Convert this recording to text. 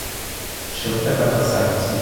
Що в тебе на серці?